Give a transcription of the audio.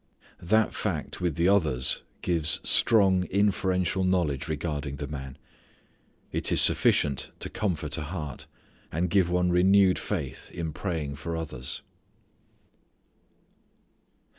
That fact with the others gives strong inferential knowledge regarding the man. It is sufficient to comfort a heart, and give one renewed faith in praying for others.